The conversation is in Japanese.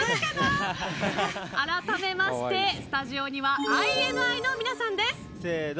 あらためまして、スタジオにはＩＮＩの皆さんです。